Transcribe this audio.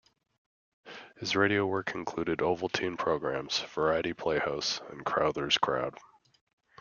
His radio work included Ovaltine programmes, "Variety Playhouse" and "Crowther's Crowd".